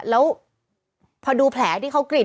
แล้วพอดูแผลที่เขากรีด